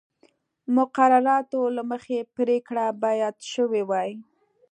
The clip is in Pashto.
مقرراتو له مخې پرېکړه باید شوې وای